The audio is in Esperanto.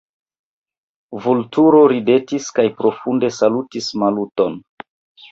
Vulturo ridetis kaj profunde salutis Maluton.